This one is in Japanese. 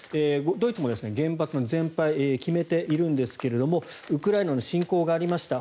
ドイツも原発の全廃を決めているんですがウクライナの侵攻がありました。